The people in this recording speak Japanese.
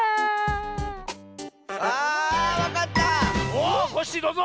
おっコッシーどうぞ！